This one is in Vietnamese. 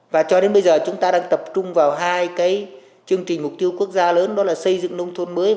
và cho đến bây giờ chúng ta đang tập trung vào hai cái chương trình mục tiêu quốc gia lớn đó là xây dựng nông thôn mới